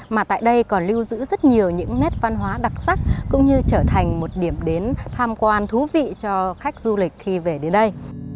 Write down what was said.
mà tại đây còn lưu giữ rất nhiều những nét văn hóa đặc sắc cũng như trở thành một điểm đến tham quan thú vị cho khách du lịch khi về đến đây